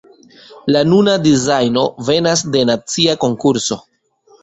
La nuna dizajno venas de nacia konkurso.